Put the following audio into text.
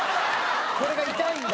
これが痛いんだ。